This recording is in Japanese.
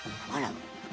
あら。